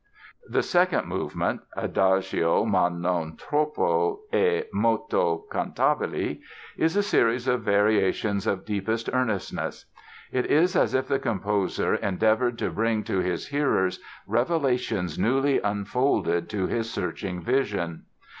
The second movement, ("Adagio ma non troppo e molto cantabile") is a series of variations of deepest earnestness. It is as if the composer endeavored to bring to his hearers revelations newly unfolded to his searching vision.